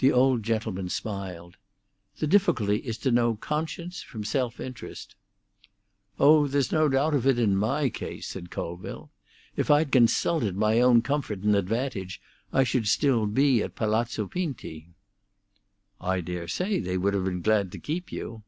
The old gentleman smiled. "The difficulty is to know conscience from self interest." "Oh, there's no doubt of it in my case," said Colville. "If I'd consulted my own comfort and advantage, I should still be at Palazzo Pinti." "I dare say they would have been glad to keep you."